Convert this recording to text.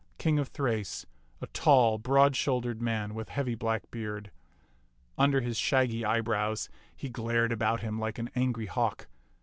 King of Thrace, a tall, broad shouldered man with heavy black beard. Under his shaggy eyebrows he glared about him like an angry hawk.